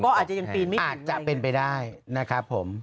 ก็อาจจะยังปีนไม่อาจจะเป็นไปได้นะครับผม